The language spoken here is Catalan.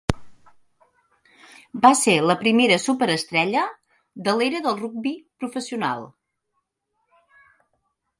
Va ser la primera superestrella de l'era del rugbi professional.